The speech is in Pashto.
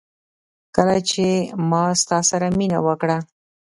کله چي ما ستا سره مينه وکړه